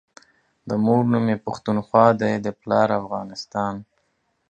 دمور نوم يی پښتونخوا دی دپلار افغانستان